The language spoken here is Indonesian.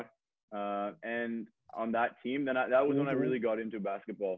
dan di tim itu itu saat saya benar benar masuk ke basketball